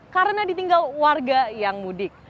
karena ditinggal warga yang mudik